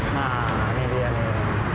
nah ini dia nih